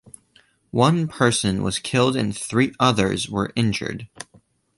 One person was killed and three others were injured.